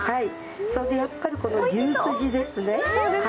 やっぱりこの牛すじですね。